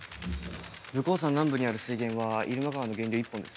武甲山南部にある水源は入間川の源流１本です。